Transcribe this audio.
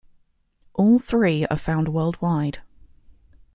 All three are found worldwide.